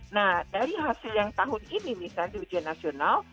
nah dari hasil yang tahun ini misalnya di ujian nasional